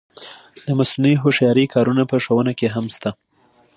د مصنوعي هوښیارۍ کارونه په ښوونه کې هم شته.